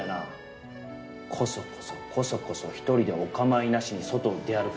コソコソコソコソ１人でお構いなしに外を出歩く。